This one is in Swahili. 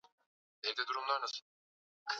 Mti wa zabibu.